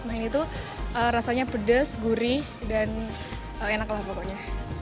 nah ini tuh rasanya pedas gurih dan enak lah pokoknya